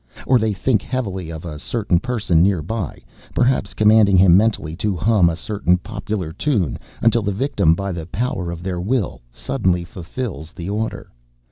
Or they think heavily of a certain person nearby, perhaps commanding him mentally to hum a certain popular tune, until the victim, by the power of their will, suddenly fulfills the order.